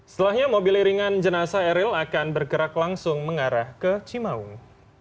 setelahnya mobil iringan jenazah eril akan bergerak langsung mengarah ke cimaung